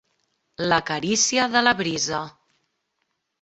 La carícia de la brisa.